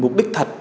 mục đích thật